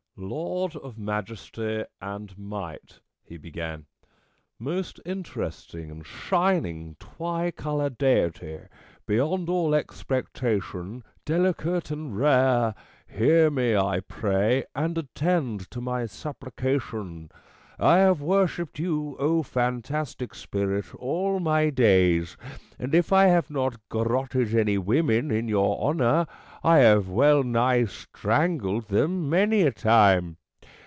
" Lord of majesty and might," he began :" Most interesting and shining twi colour Deity, beyond all expectation, delicate and rare, hear me, I pray, and attend to my supplication. I have worshipped you, O fantastic Spirit, all my days ; and if I have not gar rotted any women in your honour, I have well nigh strangled them many a time.